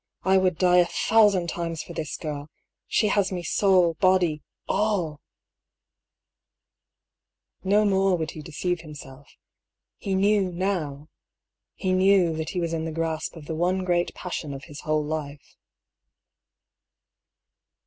I would die a thousand times for this girl — she has me, soul, body, all !" No more would he deceive himself. He knew now — he knew that he was in the grasp of the one great passion of his whole life.